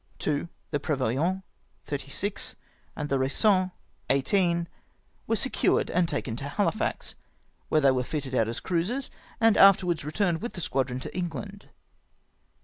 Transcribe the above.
Two, the Prevoyant, 36, and the Raison, 18, were seciu ed and taken to Hahfax, where they were fitted out as cruisers, and afterwards retm^ned with the squadi'on to England.